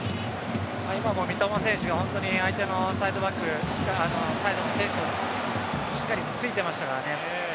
今も三笘選手が相手のサイドバックサイドの選手にしっかりついていましたから。